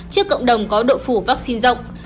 trước cộng đồng có độ phủ vaccine rộng